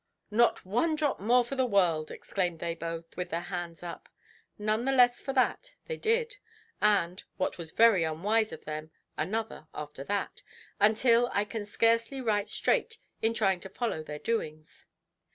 "Not one drop more for the world", exclaimed they both, with their hands up. None the less for that, they did; and, what was very unwise of them, another after that, until I can scarcely write straight in trying to follow their doings.